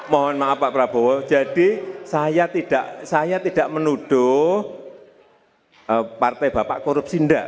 mohon maaf pak prabowo jadi saya tidak menuduh partai bapak korupsi enggak